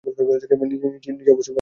নিচে অবশ্যই কিছু একটা আছে!